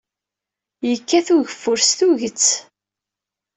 Yekkat ugeffur s tuget.